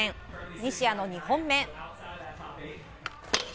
西矢の２本目。